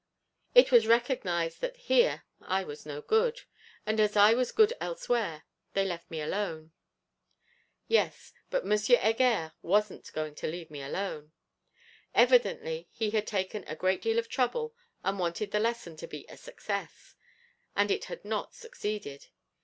It was recognised that, here, I was no good; and as I was good elsewhere, they left me alone. Yes, but M. Heger wasn't going to leave me alone. Evidently he had taken a great deal of trouble, and wanted the lesson to be a success. And it had not succeeded.